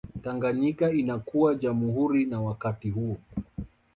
Tanganyika inakuwa jamhuri na wakati huo